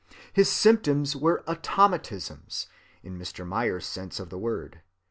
His symptoms were automatisms, in Mr. Myers's sense of the word.